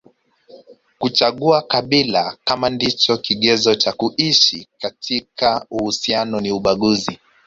Kuchagua kabila kama ndicho kigezo cha kuishi katika uhusiano ni ubaguzi